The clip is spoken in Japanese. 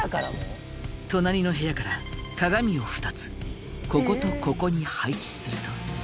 隣の部屋から鏡を２つこことここに配置すると。